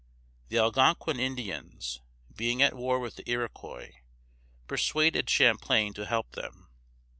] The Algonquin Indians, being at war with the Iroquois, persuaded Champlain to help them.